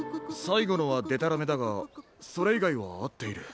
さいごのはでたらめだがそれいがいはあっている。